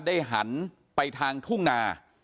หันไปทางทุ่งนา